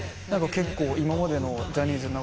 今までのジャニーズの。